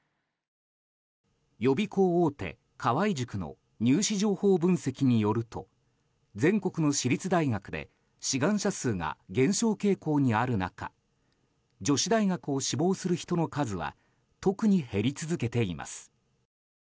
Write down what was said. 予備校大手、河合塾の入試情報分析によると全国の私立大学で志願者数が減少傾向にある中女子大学を志望する人の数は特に減り続けています。